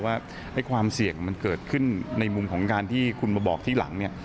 ว่าความเสี่ยงมันเกิดขึ้นในมุมของการที่คุณมาบอกที่หลังเนี่ย